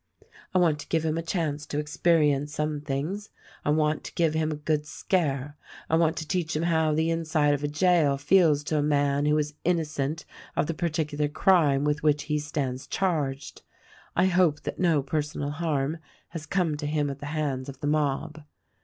I want to give him a chance to experience some things ; I want to give him a good scare ; I want to teach him how the inside of a jail feels to a man who is innocent of the particular crime with which he stands charged. I hope that no personal harm has come to him at the hands of the mob.